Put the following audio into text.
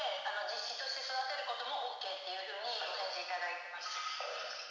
「実子として育てることもＯＫっていうふうにお返事頂いてまして」。